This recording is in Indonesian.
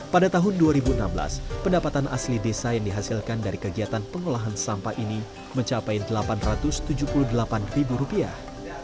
pada tahun dua ribu enam belas pendapatan asli desa yang dihasilkan dari kegiatan pengolahan sampah ini mencapai delapan ratus tujuh puluh delapan ribu rupiah